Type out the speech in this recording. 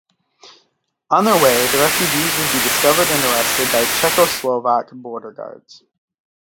On their way the refugees would be discovered and arrested by Czechoslovak border guards.